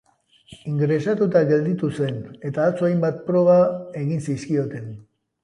Ingresatuta gelditu zen eta atzo hainbat proga egin zizkioten.